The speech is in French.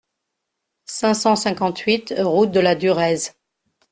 cinq cent cinquante-huit route de la Durèze